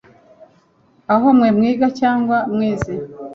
aho mwe mwiga cyangwa mwize